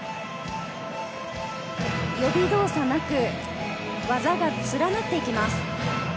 予備動作なく技が連なっていきます。